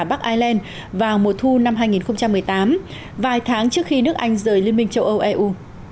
bắc ireland vào mùa thu năm hai nghìn một mươi tám vài tháng trước khi nước anh rời liên minh châu âu eu